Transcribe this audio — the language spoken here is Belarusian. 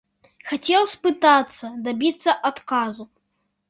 Хацеў спытацца, дабіцца адказу.